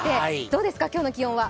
どうですか、今日の気温は？